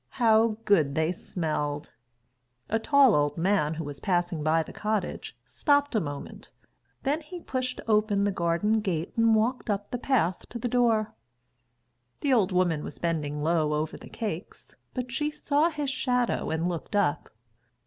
How good they smelled! A tall old man who was passing by the cottage stopped a moment. Then he pushed open the garden gate and walked up the path to the door. The old woman was bending low over the cakes, but she saw his shadow and looked up.